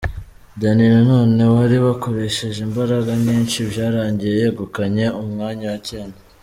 Danny Nanone wari wakoresheje imbaraga nyinshi byarangiye yegukanye umwanya wa cyenda .